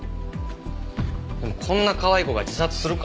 でもこんなかわいい子が自殺するか？